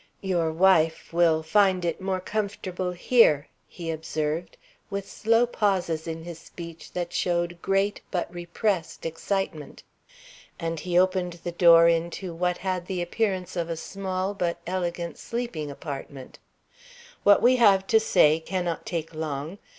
"Your wife will find it more comfortable here," he observed, with slow pauses in his speech that showed great, but repressed, excitement. And he opened the door into what had the appearance of a small but elegant sleeping apartment. "What we have to say cannot take long.